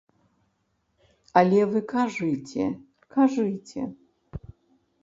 Але вы кажыце, кажыце.